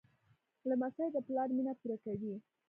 لمسی د پلار مینه پوره کوي.